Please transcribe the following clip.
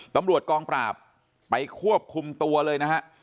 ตำรวจกองปราบไปควบคุมตัวเลยนะฮะ